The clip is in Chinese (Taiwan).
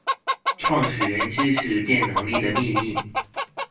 創始人知識變能力的祕密